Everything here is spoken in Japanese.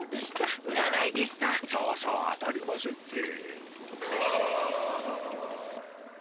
そうそう当たりませんて。